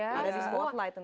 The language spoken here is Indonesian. agresif banget lah tentunya